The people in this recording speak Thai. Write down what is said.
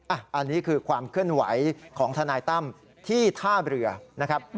อันนี้คือความเคลื่อนไหวของทนายตั้มที่ท่าเรือนะครับ